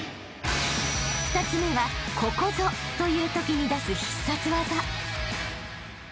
［２つ目はここぞというときに出す必殺技］